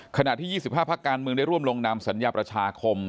ขณะที่๒๕พักการเมืองได้ร่วมลงนำสัญญาประชาคม